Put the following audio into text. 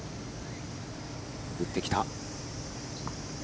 打ってきた。